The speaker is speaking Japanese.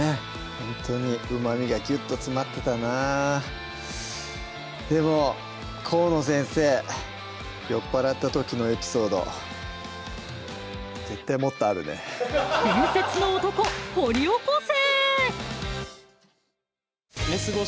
ほんとにうまみがギュッと詰まってたなでも河野先生酔っ払った時のエピソード伝説の男掘り起こせ！